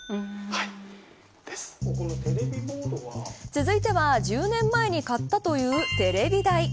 続いては１０年前に買ったというテレビ台。